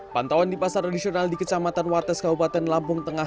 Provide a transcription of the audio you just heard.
pantauan di pasar tradisional di kecamatan wates kabupaten lampung tengah